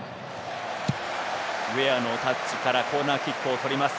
ウェアのタッチからコーナーキックを取ります